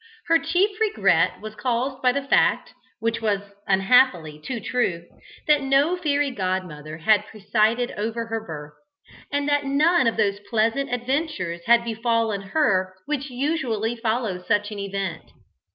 Her chief regret was caused by the fact (which was, unhappily, too true) that no fairy godmother had presided over her birth, and that none of those pleasant adventures had befallen her which usually follow such an event.